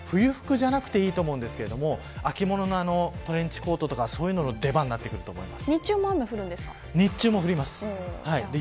日曜日は冬服じゃなくていいと思いますが秋物のトレンチコートとかそういうものの出番になると思います。